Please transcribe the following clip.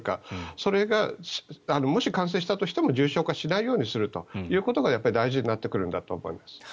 それがもし、感染したとしても重症化しないようにするということがやっぱり大事になってくるんだろうと思います。